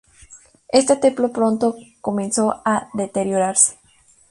Este templo pronto comenzó a deteriorarse.